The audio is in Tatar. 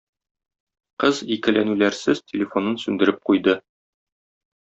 Кыз икеләнүләрсез телефонын сүндереп куйды.